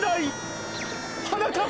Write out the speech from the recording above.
はなかっ